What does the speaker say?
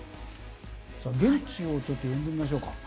現地をちょっと呼んでみましょうか。